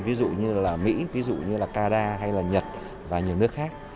ví dụ như mỹ canada nhật và nhiều nước khác